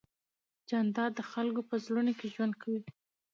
جانداد د خلکو په زړونو کې ژوند کوي.